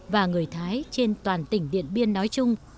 và người thái trên toàn tỉnh điện biên nói chung